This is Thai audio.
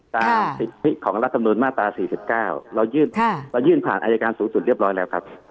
ตามของรัฐธรรมนูลมาตราสี่สิบเก้าค่ะเรายื่นค่ะเรายื่นผ่านอายการสูงสุดเรียบร้อยแล้วครับ